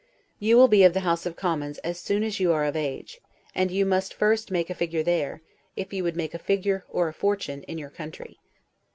You will be of the House of Commons as soon as you are of age; and you must first make a figure there, if you would make a figure, or a fortune, in your country.